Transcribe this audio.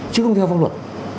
chứ không theo phong luật